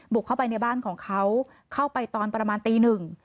เข้าไปในบ้านของเขาเข้าไปตอนประมาณตีหนึ่ง